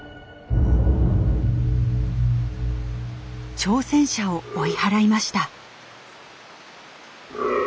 挑戦者を追い払いました。